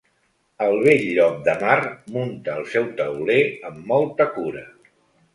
El vell llop de mar munta el seu tauler amb molta cura.